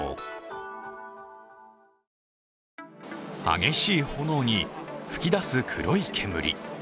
激しい炎に、噴き出す黒い煙。